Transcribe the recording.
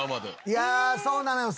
いやそうなのよ。